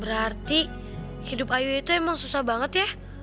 berarti hidup ayu itu emang susah banget ya